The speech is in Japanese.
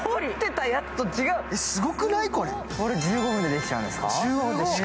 これ、１５分でできちゃうんですか？